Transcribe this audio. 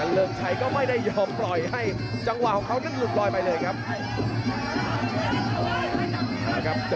เริงชัยก็ไม่ได้ยอมปล่อยให้จังหวะของเขานั้นหลุดลอยไปเลยครับ